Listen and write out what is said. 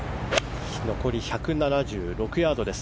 残り１７６ヤードです